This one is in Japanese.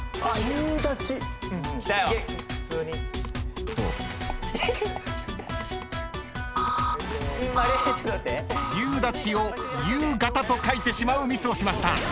［「夕立」を「夕方」と書いてしまうミスをしました］